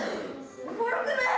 おもろくない？